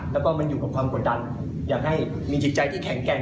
แล้วก็มันอยู่กับความกดดันอยากให้มีจิตใจที่แข็งแกร่ง